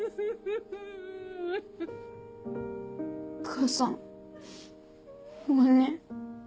母さんごめんね。